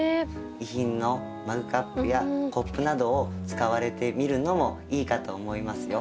遺品のマグカップやコップなどを使われてみるのもいいかと思いますよ。